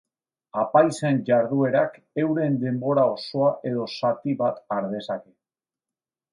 Apaizen jarduerak euren denbora osoa edo zati bat har dezake.